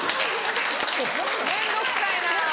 面倒くさいな。